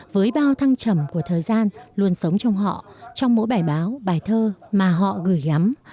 với bao thăng trầm của thời gian luôn sống trong họ trong mỗi bài báo bài thơ mà họ gửi gắm